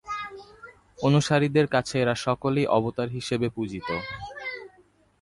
অনুসারীদের কাছে এঁরা সকলেই অবতার হিসেবে পূজিত।